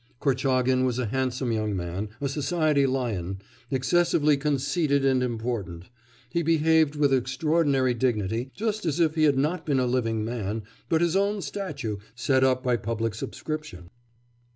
Kortchagin was a handsome young man, a society lion, excessively conceited and important; he behaved with extraordinary dignity, just as if he had not been a living man, but his own statue set up by public subscription.